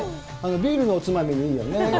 ビールのおつまみにいいよね？